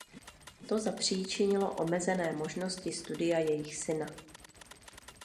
To zapříčinilo omezené možnosti studia jejich syna.